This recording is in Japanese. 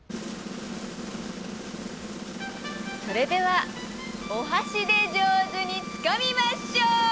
それでは「お箸で上手に掴みまショー」！